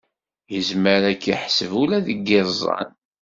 Izmer ad k-iḥsed ula deg iẓẓan